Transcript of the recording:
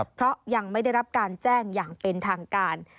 เพราะยังไม่ได้รับการแจ้งอย่างเป็นทางการ